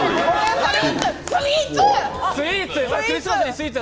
スイーツ！